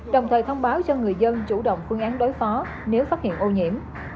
đồng thời thông báo cho người dân chủ động phương án đối phó nếu phát hiện ô nhiễm